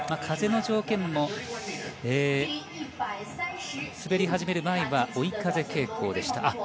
風の条件も滑り始める前は追い風傾向でした。